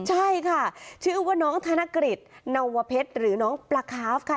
ใช่ค่ะชื่อว่าน้องธนกฤษนวเพชรหรือน้องปลาคาฟค่ะ